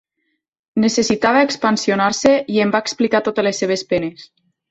Necessitava expansionar-se i em va explicar totes les seves penes.